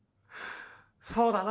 そうだな。